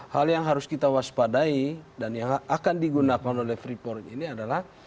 hal yang harus kita waspadai dan yang akan digunakan oleh freeport ini adalah